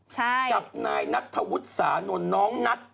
จับนายนักถวุฒิสานวนน้องนัท